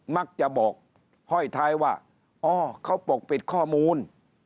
มักจะบอกห้อยท้ายว่าอ๋อเขาปกปิดข้อมูล